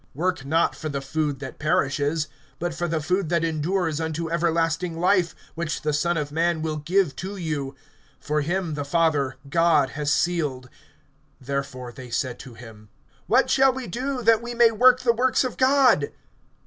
(27)Work not for the food that perishes, but for the food that endures unto everlasting life, which the Son of man will give to you; for him the Father, God, has sealed, (28)Therefore they said to him: What shall we do, that we may work the works of God?